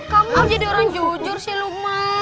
kamu jadi orang jujur sih lumayan